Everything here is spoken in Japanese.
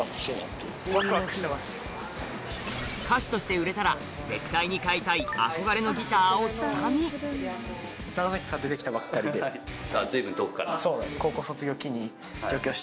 歌手として売れたら絶対に買いたい憧れのギターを下見そうなんです。